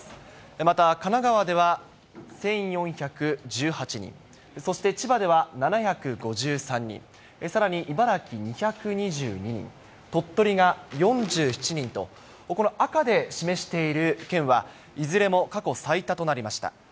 また、神奈川では１４１８人、そして千葉では７５３人、さらに茨城２２２人、鳥取が４７人と、ここの赤で示している県は、いずれも過去最多となりました。